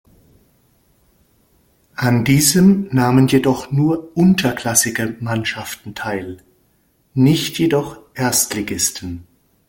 An diesen nahmen jedoch nur unterklassige Mannschaften teil, nicht jedoch Erstligisten.